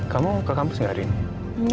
kamu ke kampus gak hari ini